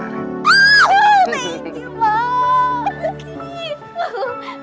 thank you bap